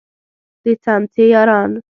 د څمڅې یاران.